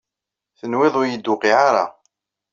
Tenwiḍ ur iyi-d-tewqiɛ ara.